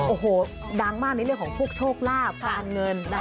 โอ้โหดังมากในเรื่องของพวกโชคราบบางเงิน